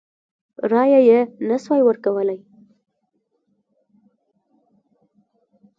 رایه یې نه سوای ورکولای.